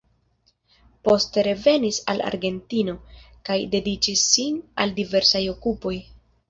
Poste revenis al Argentino, kaj dediĉis sin al diversaj okupoj.